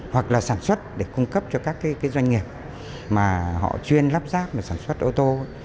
hoặc là sản xuất để cung cấp cho các doanh nghiệp mà họ chuyên lắp ráp và sản xuất ô tô